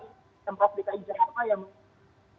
ini yang proktika ijaran apa yang